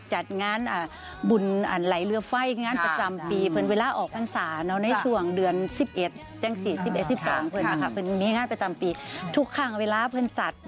ก็แบบนัดกับผู้ชายแล้วผู้ชายไม่มาอ๋อก็เลยเป็นเหงาเหงาเหงาเหงาเหงาก็เลยผิดนัดอ๋อ